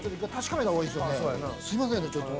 すいませんねちょっと。